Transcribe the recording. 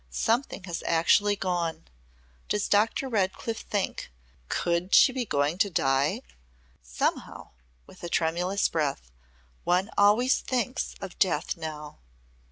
Something has actually gone. Does Doctor Redcliff think Could she be going to die? Somehow," with a tremulous breath, "one always thinks of death now."